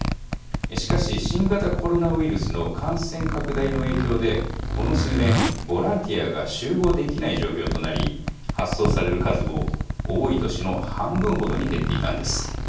しかし新型コロナウイルスの感染拡大の影響でこの数年ボランティアが集合できない状況となり発送される数も多い年の半分ほどに減っていたんです。